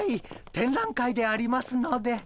展覧会でありますので。